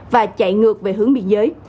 và chạy ngược về hướng biên giới